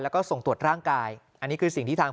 แล้วก็ส่งตรวจร่างกายอันนี้คือสิ่งที่ทาง